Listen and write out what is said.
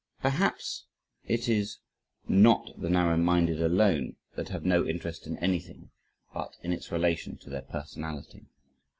Perhaps it is not the narrow minded alone that have no interest in anything, but in its relation to their personality.